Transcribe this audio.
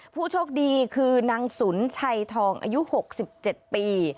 ผู้โชคดีคือนางสุนชัยทองอายุ๖๗ปี